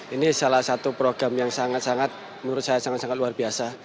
ini salah satu program yang sangat sangat menurut saya sangat sangat luar biasa